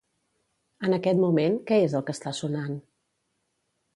En aquest moment què és el que està sonant?